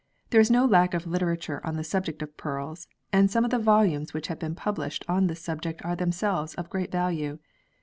There is no lack of literature on the subject of pearls, and some of the volumes which have been published on this subject are themselves of great value.